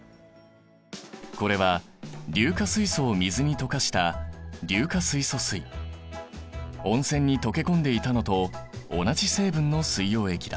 これは硫化水素を水に溶かした温泉に溶け込んでいたのと同じ成分の水溶液だ。